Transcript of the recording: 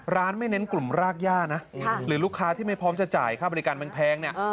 ร้านไม่เน้นกลุ่มรากย่านะหรือลูกค้าที่ไม่พร้อมจะจ่ายค่าบริการมันแพงเนี่ย